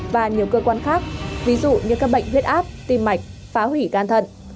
và nhiều cơ quan khác ví dụ như các bệnh huyết áp tim mạch phá hủy gan thận